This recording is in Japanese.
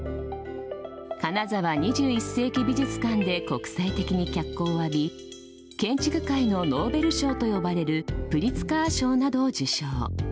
金沢２１世紀美術館で国際的に脚光を浴び建築界のノーベル賞と呼ばれるプリツカー賞などを受賞。